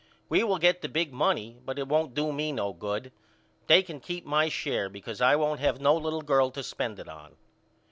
We will get the big money but it won't do me no good. They can keep my share because I won't have no little girl to spend it on.